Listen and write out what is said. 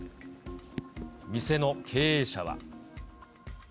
店の経営者は。